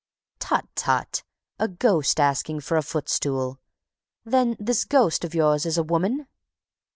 "Tut, tut! A ghost asking for a footstool! Then this ghost of yours is a woman?"